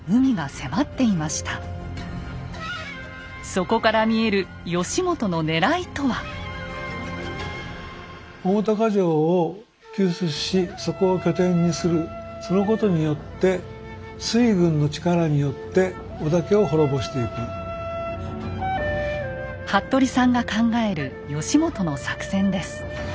そこから見えるそのことによって服部さんが考える義元の作戦です。